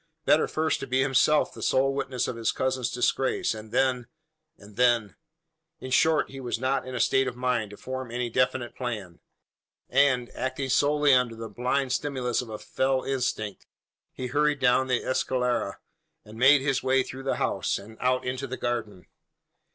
Better first to be himself the sole witness of his cousin's disgrace; and then and then In short, he was not in a state of mind to form any definite plan; and, acting solely under the blind stimulus of a fell instinct, he hurried down the escalera, and made his way through the house, and out into the garden.